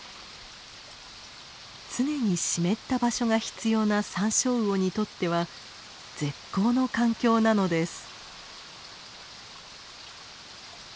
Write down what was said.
常に湿った場所が必要なサンショウウオにとっては絶好の環境なのです。